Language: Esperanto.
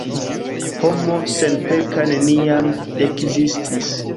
Homo senpeka neniam ekzistis.